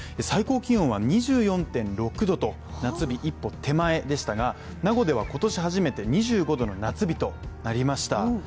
最高気温は２４．６度と、夏日一歩手前でしたが名護では今年初めて２５度の夏日となりました。